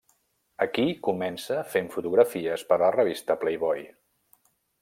Aquí comença fent fotografies per la revista Playboy.